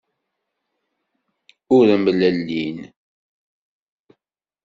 Ur mlellin.